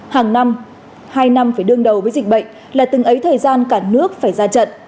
hàng năm hai năm phải đương đầu với dịch bệnh là từng ấy thời gian cả nước phải ra trận